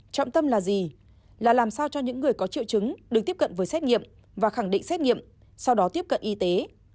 trọng tâm là gì là làm sao cho những người có triệu chứng được tiếp cận với xét nghiệm và khẳng định xét nghiệm sau đó tiếp cận y tế